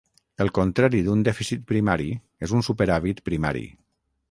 El contrari d'un dèficit primari és un superàvit primari.